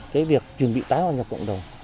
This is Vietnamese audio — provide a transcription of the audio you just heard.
cái việc chuẩn bị tái hoạt nhập cộng đồng